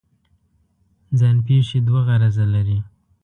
ځان پېښې دوه غرضه لري.